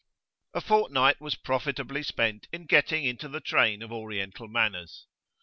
[p.6]A fortnight was profitably spent in getting into the train of Oriental manners.